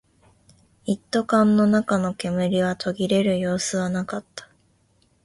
一斗缶の中の煙は途切れる様子はなかった